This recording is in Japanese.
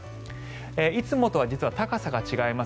いつもとは実は高さが違います。